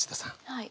はい。